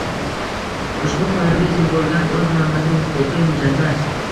ushbu Qonunga zid bo‘lgan o‘z normativ-huquqiy hujjatlar